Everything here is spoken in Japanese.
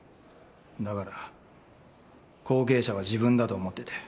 だから後継者は自分だと思ってて。